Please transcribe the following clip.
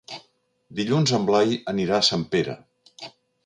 Dilluns en Blai anirà a Sempere.